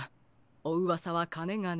おうわさはかねがね。